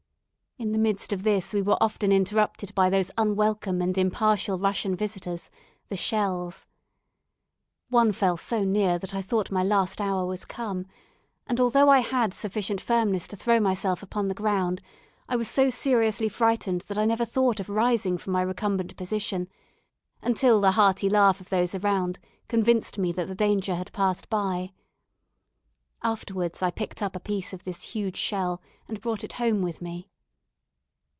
In the midst of this we were often interrupted by those unwelcome and impartial Russian visitors the shells. One fell so near that I thought my last hour was come; and, although I had sufficient firmness to throw myself upon the ground, I was so seriously frightened that I never thought of rising from my recumbent position until the hearty laugh of those around convinced me that the danger had passed by. Afterwards I picked up a piece of this huge shell, and brought it home with me.